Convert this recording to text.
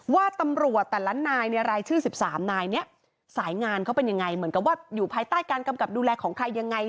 ว่าตำรวจแต่ละนายในรายชื่อ๑๓นายเนี่ยสายงานเขาเป็นยังไงเหมือนกับว่าอยู่ภายใต้การกำกับดูแลของใครยังไง